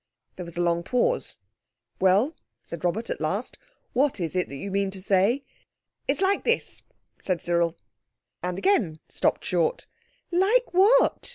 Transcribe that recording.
There was a long pause. "Well," said Robert at last, "what is it that you mean to say?" "It's like this," said Cyril, and again stopped short. "Like _what?